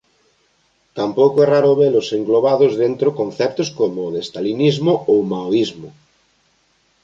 Tampouco é raro velos englobados dentro conceptos como o de stalinismo ou maoísmo.